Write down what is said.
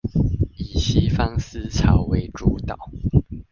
以西方思潮為主導